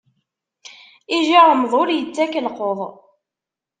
Ijiṛmeḍ ur ittak llqeḍ.